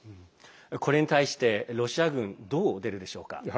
これに対して、ロシア軍どう出るでしょうか。